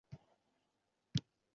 Sizlarga qachon aql kiradi?